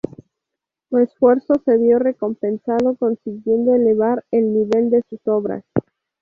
Su esfuerzo se vio recompensado, consiguiendo elevar el nivel de sus obras.